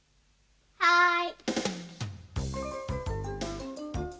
はい。